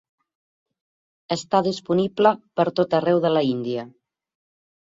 Està disponible pertot arreu de la Índia.